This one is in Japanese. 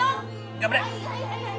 頑張れ！